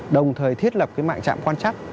đồng thời thiết lập cái mạng trạm quan trắc